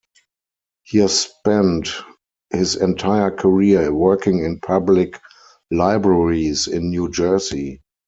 He has spent his entire career working in public libraries in New Jersey.